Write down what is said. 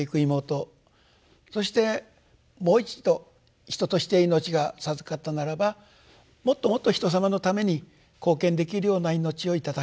そしてもう一度人として命が授かったならばもっともっと人様のために貢献できるような命を頂きたい。